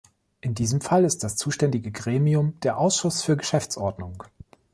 In diesem Fall ist das zuständige Gremium der Ausschuss für Geschäftsordnung.